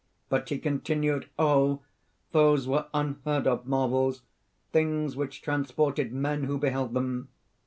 But he continued. Oh! those were unheard of marvels things which transported men who beheld them!